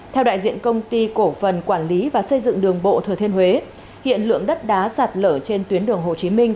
theo đại diện công ty cổ phần quản lý và xây dựng đường bộ thừa thiên huế hiện lượng đất đá sạt lở trên tuyến đường hồ chí minh